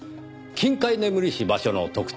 金塊眠りし場所の特定